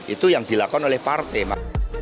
itu yang dilakukan oleh partai mas